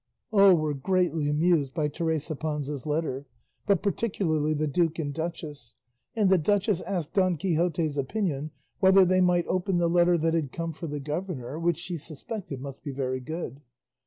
All were greatly amused by Teresa Panza's letter, but particularly the duke and duchess; and the duchess asked Don Quixote's opinion whether they might open the letter that had come for the governor, which she suspected must be very good.